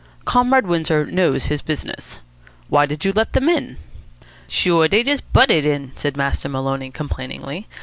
"Comrade Windsor knows his business. Why did you let them in?" "Sure, dey just butted in," said Master Maloney complainingly.